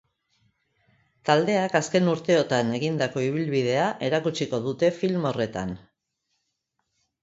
Taldeak azken urteotan egindako ibilbidea erakutsiko dute film horretan.